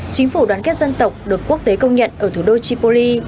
chính phủ đoàn kết dân tộc được quốc tế công nhận ở thủ đô tripoli